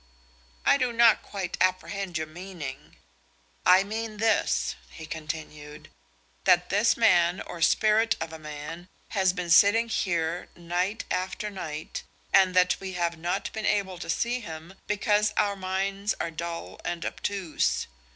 "I do not quite apprehend your meaning." "I mean this," he continued, "that this man or spirit of a man has been sitting here night after night, and that we have not been able to see him, because our minds are dull and obtuse.